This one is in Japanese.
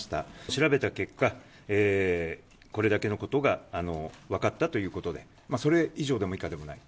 調べた結果、これだけのことが分かったということで、それ以上でも以下でもない。